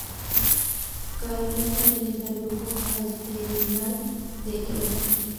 Carolyn pertenece al grupo asteroidal de Hilda.